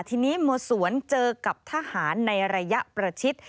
ทีนี้โมสวนเจอกับทหารในระยะประชิด